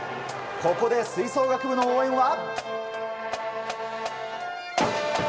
ここで吹奏楽部の応援は。